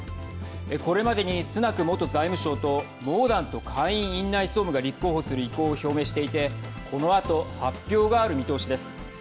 これまでに、スナク元財務相とモーダント下院院内総務が立候補する意向を表明していてこのあと発表がある見通しです。